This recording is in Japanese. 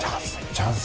チャンス